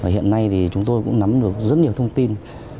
hiện nay thì chúng tôi cũng nắm được rất nhiều thông tin